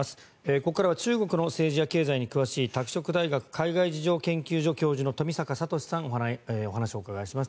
ここからは中国の政治や経済に詳しい拓殖大学海外事情研究所教授の富坂聰さんにお話を伺います。